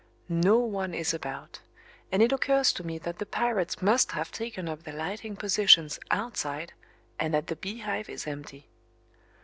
No one is about, and it occurs to me that the pirates must have taken up their lighting positions outside and that the Beehive is empty.